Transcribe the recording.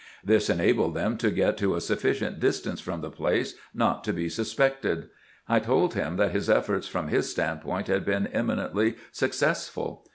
This enabled them to get to a sufficient distance from the place not to be sus pected. I told him that his efforts, from his standpoint, had been eminently successful.